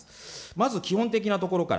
まず基本的なところから。